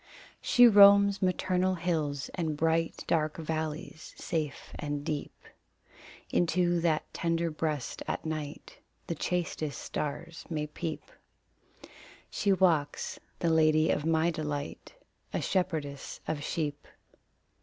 She roams maternal hills and bright, Dark valleys safe and deep. Into that tender breast at night The chastest stars may peep. She walks the lady of my delight A shepherdess of sheep.